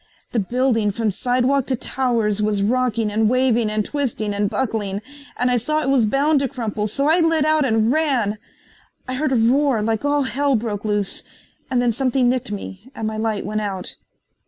The building from sidewalk to towers was rocking and waving and twisting and buckling and I saw it was bound to crumple, so I lit out and ran. I heard a roar like all Hell broke loose and then something nicked me and my light went out."